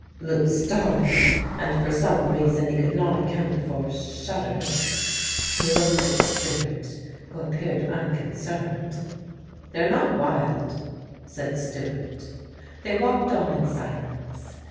Lewis started, and for some reason he could not account for, shuddered; he looked at Stewart, who appeared unconcerned. "They are not wild," said Stewart. They walked on in silence.